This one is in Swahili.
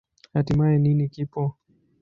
Hatimaye, nini kipo?